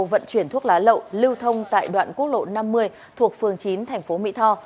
vận chuyển thuốc lá lậu lưu thông tại đoạn quốc lộ năm mươi thuộc phường chín thành phố mỹ tho